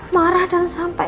marah dan sampai